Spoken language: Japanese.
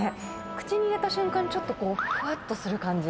口に入れた瞬間、ちょっとこう、ふわっとする感じ。